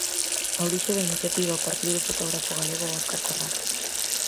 A orixe da iniciativa partiu do fotógrafo galego Óscar Corral.